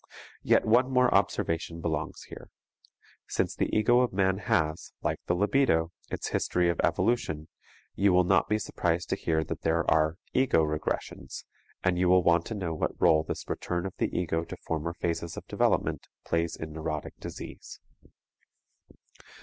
Yet one more observation belongs here. Since the ego of man has, like the libido, its history of evolution, you will not be surprised to hear that there are "ego regressions," and you will want to know what role this return of the ego to former phases of development plays in neurotic disease.